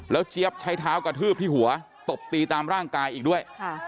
เจี๊ยบใช้เท้ากระทืบที่หัวตบตีตามร่างกายอีกด้วย